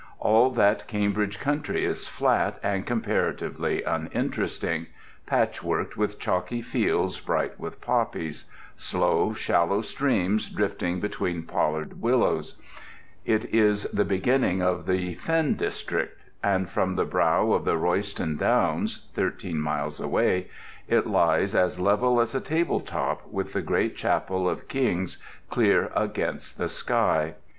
All that Cambridge country is flat and comparatively uninteresting; patchworked with chalky fields bright with poppies; slow, shallow streams drifting between pollard willows; it is the beginning of the fen district, and from the brow of the Royston downs (thirteen miles away) it lies as level as a table top with the great chapel of King's clear against the sky.